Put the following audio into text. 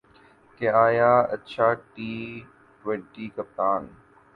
کہ آیا اچھا ٹی ٹؤنٹی کپتان